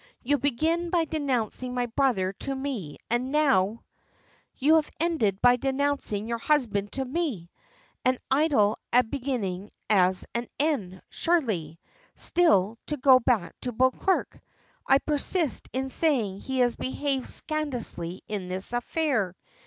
You began by denouncing my brother to me, and now " "You have ended by denouncing your husband to me! As idle a beginning as an end, surely. Still, to go back to Beauclerk. I persist in saying he has behaved scandalously in this affair.